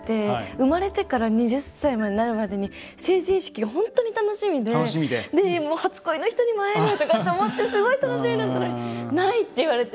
生まれてから２０歳になるまでに成人式が本当に楽しみで初恋の人にも会えるとか思ってすごい楽しみだったのにないって言われて。